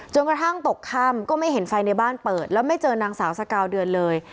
กระทั่งตกค่ำก็ไม่เห็นไฟในบ้านเปิดแล้วไม่เจอนางสาวสกาวเดือนเลย